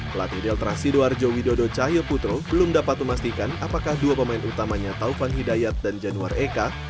pelatih delta sidoarjo widodo cahyoputro belum dapat memastikan apakah dua pemain utamanya taufan hidayat dan januar eka